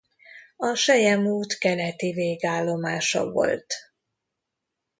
A selyemút keleti végállomása volt.